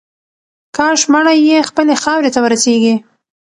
کاش مړی یې خپلې خاورې ته ورسیږي.